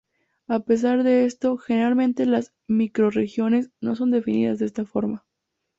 A pesar de esto, generalmente las microrregiones no son definidas de esta forma.